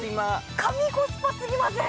神コスパすぎません？